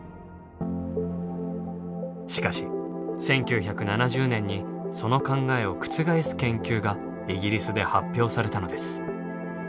しかし１９７０年にその考えを覆す研究がイギリスで発表されたのです。